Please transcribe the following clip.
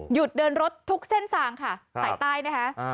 เดินรถทุกเส้นทางค่ะสายใต้นะคะ